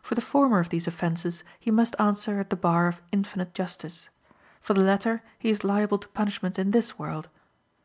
For the former of these offenses he must answer at the bar of Infinite Justice; for the latter he is liable to punishment in this world.